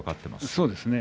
そうですね